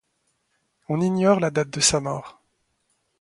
On ignore la date de sa mort.